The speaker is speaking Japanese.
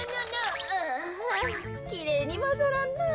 あきれいにまざらんな。